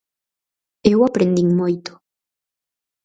Eu aprendín moito.